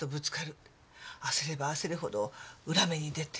焦れば焦るほど裏目に出て。